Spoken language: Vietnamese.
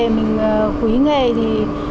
mình quý nghề thì